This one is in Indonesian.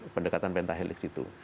pendekatan pentahelix itu